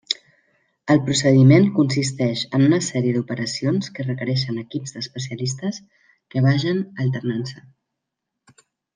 El procediment consisteix en una sèrie d'operacions que requereixen equips d'especialistes que vagen alternant-se.